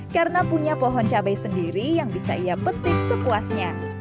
karena punya pohon cabai sendiri yang bisa ia petik sepuasnya